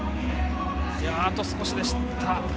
あと少しでした。